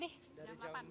dari jam delapan